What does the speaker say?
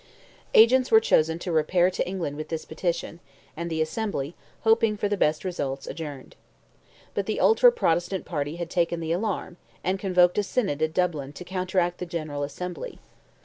Agents were chosen to repair to England with this petition, and the Assembly, hoping for the best results, adjourned. But the ultra Protestant party had taken the alarm, and convoked a Synod at Dublin to counteract the General Assembly.